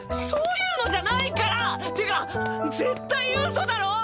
そういうのじゃないから！ってか絶対うそだろ！